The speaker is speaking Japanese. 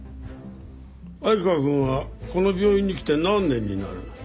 愛川くんはこの病院に来て何年になる？